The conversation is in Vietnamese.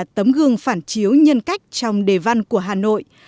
tấm gương phản chiếu nhân cách trong đề văn của hà nội